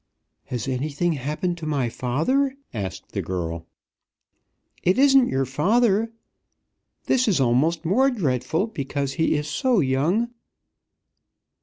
"Has anything happened to my father?" asked the girl. "It isn't your father. This is almost more dreadful, because he is so young."